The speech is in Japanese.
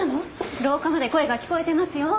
廊下まで声が聞こえてますよ。